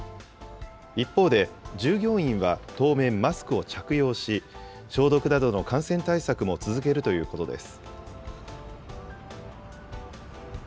一方で、従業員は当面、マスクを着用し、消毒などの感染対策も続けるということです。